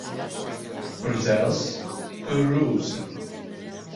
Kur dzelzs, tur rūsa.